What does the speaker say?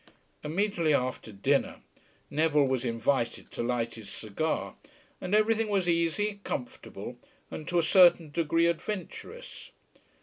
Immediately after dinner Neville was invited to light his cigar, and everything was easy, comfortable, and to a certain degree adventurous.